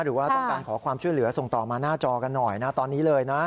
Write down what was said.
หรือว่าต้องการขอความช่วยเหลือส่งต่อมาหน้าจอกันหน่อยนะตอนนี้เลยนะ